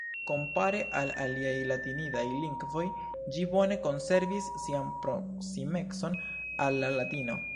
Kompare al aliaj latinidaj lingvoj, ĝi bone konservis sian proksimecon al la Latino.